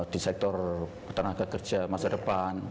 di sektor tenaga kerja masa depan